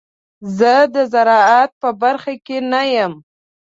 زه د زراعت په برخه کې نه یم.